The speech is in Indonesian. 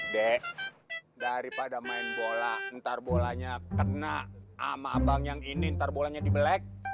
dek daripada main bola ntar bolanya kena sama abang yang ini ntar bolanya dibelek